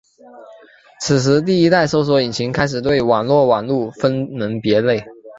此时第一代搜寻引擎开始对网际网路分门别类。